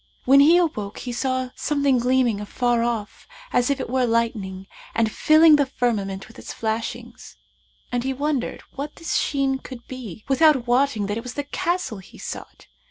When he awoke, he saw a something gleaming afar off as it were lightning and filling the firmament with its flashings; and he wondered what this sheen could be without wotting that it was the Castle he sought.